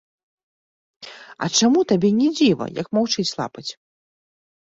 А чаму табе не дзіва, як маўчыць лапаць?